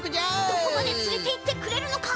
どこまでつれていってくれるのか。